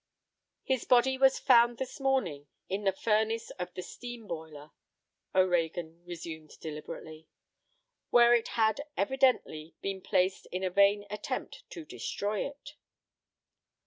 "His body was found this morning in the furnace of the steam boiler." O'Reagan resumed deliberately, "where it had evidently been placed in a vain attempt to destroy it."